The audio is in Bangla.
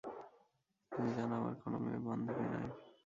তুমি জানো, আমার কোন মেয়ে বান্ধবী নাই।